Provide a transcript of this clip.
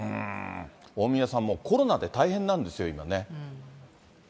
大宮さん、もう、コロナで大変なんですよね、今ね。